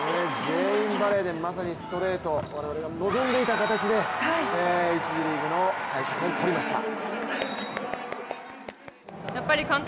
全員バレーでまさにストレート我々が臨んでいた形で１次リーグ最終戦、取りました。